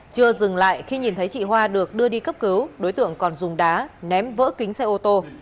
chưa dừng lại khi nhìn thấy chị hoa được đưa đi cấp cứu đối tượng còn dùng đá ném vỡ kính xe ô tô